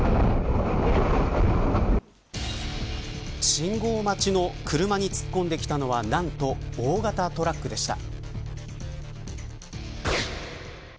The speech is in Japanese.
信号待ちの車に突っ込んできたのはなんと大型トラックでした。